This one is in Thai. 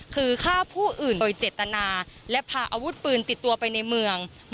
คือฆ่าผู้อื่นโดยเจตนาและพาอาวุธปืนติดตัวไปในเมือง